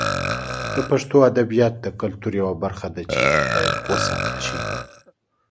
د پښتو ادبیات د کلتور یوه برخه ده چې باید وساتل شي.